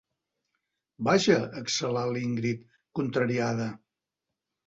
Vaja —exhalà l'Ingrid, contrariada—.